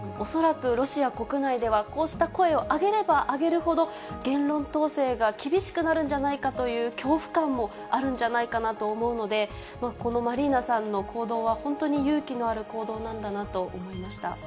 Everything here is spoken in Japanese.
恐らく、ロシア国内では、こうした声を上げれば上げるほど、言論統制が厳しくなるんじゃないかという恐怖感もあるんじゃないかなと思うので、このマリーナさんの行動は、本当に勇気のある行動なんだなと思いました。